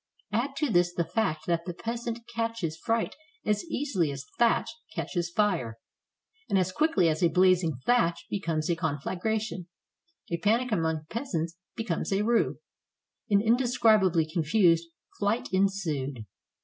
Add to this the fact that the peasant catches fright as easily as thatch catches fire; and as quickly as a blazing thatch becomes a conflagration, a panic among peasants becomes a rout. An indescribably confused flight ensued.